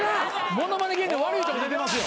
物まね芸人の悪いとこ出てますよ。